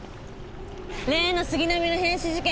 例の杉並の変死事件